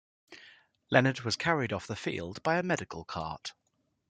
Leonhard was carried off the field by a medical cart.